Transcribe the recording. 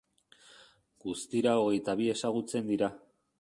Guztira hogeita bi ezagutzen dira.